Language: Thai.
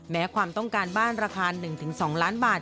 ความต้องการบ้านราคา๑๒ล้านบาท